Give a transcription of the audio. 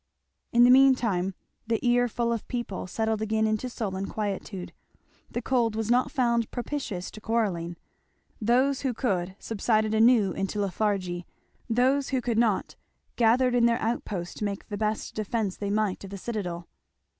In the mean time the earful of people settled again into sullen quietude. The cold was not found propitious to quarrelling. Those who could subsided anew into lethargy, those who could not gathered in their outposts to make the best defence they might of the citadel.